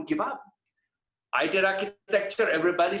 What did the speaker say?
saya melakukan arsitektur semua orang bilang